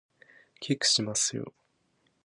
キックしますよ